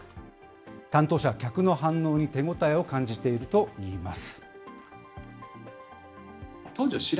担当者は客の反応に手応えを感じているといいます。